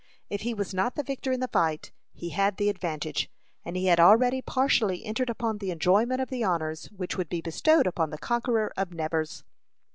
If he was not the victor in the fight, he had the advantage, and he had already partially entered upon the enjoyment of the honors which would be bestowed upon the conqueror of Nevers.